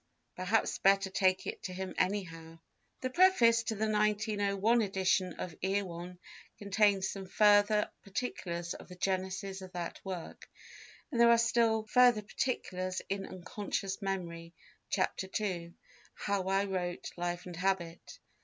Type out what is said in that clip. Perhaps better take it to him anyhow." The preface to the 1901 edition of Erewhon contains some further particulars of the genesis of that work, and there are still further particulars in Unconscious Memory, Chapter II, "How I wrote Life and Habit."